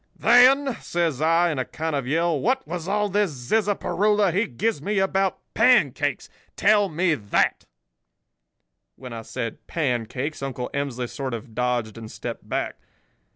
"'Then,' says I, in a kind of yell, 'what was all this zizzaparoola he gives me about pancakes? Tell me that.' "When I said 'pancakes' Uncle Emsley sort of dodged and stepped back.